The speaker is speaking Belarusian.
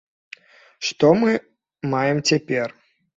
Што мы маем цяпер?